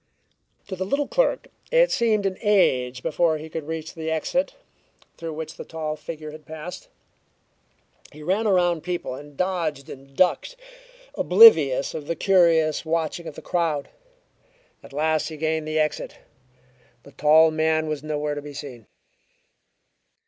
To the little clerk it seemed an age before he could reach the exit through which the tall figure had passed. He ran around people and dodged and ducked, oblivious of the curious watching of the crowd. At last he gained the exit. The tall man was nowhere to be seen.